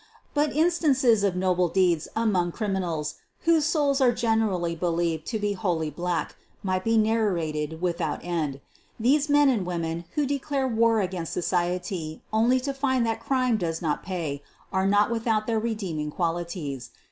But instances of noble deeds among criminals ^UEEN OF THE BUEGLARS 263 whose souls are generally believed to be wholly black might be narrated without end. These men and women who declare war against society only to find that CRIME DOES NOT PAY are not without their redeeming qualities.